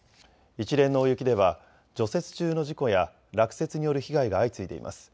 一連の大雪では除雪中の事故や落雪による被害が相次いでいます。